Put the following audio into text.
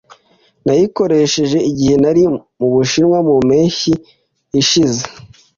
Nayikoresheje igihe nari mu Bushinwa mu mpeshyi ishize.